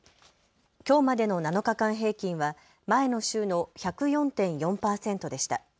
きょうまでの７日間平均は前の週の１０４．４％でした。